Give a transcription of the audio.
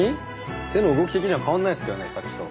手の動き的には変わんないっすけどねさっきと。